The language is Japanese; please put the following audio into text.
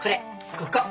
ここ。